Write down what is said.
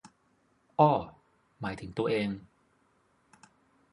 อ้อ หมายถึงตัวเอง